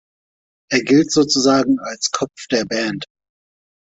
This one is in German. Er gilt sozusagen als „Kopf der Band“.